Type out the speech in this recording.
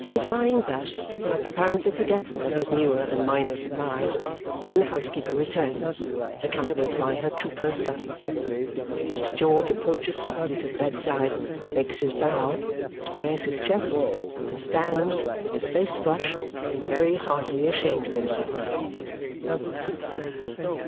He is lying thus, apparently forgetful of his newer and minor surprise, when the housekeeper returns, accompanied by her trooper son. Mr. George approaches softly to the bedside, makes his bow, squares his chest, and stands, with his face flushed, very heartily ashamed of himself.